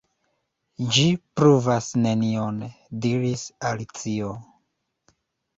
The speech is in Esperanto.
"Ĝi pruvas nenion," diris Alicio.